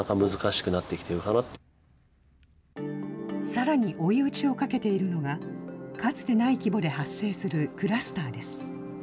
さらに追い打ちをかけているのが、かつてない規模で発生するクラスターです。